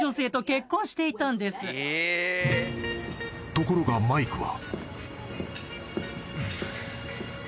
［ところがマイクは］